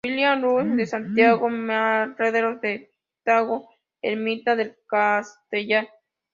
Villarrubia de Santiago: Merenderos del Tajo, Ermita del Castellar.